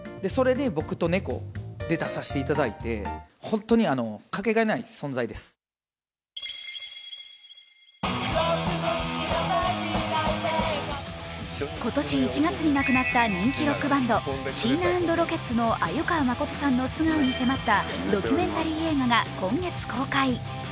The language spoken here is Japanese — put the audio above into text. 実際、どのように支えてもらったのかというと今年１月に亡くなった人気ロックバンドシーナ＆ロケッツの鮎川誠さんの素顔に迫ったドキュメンタリー映画が今月公開。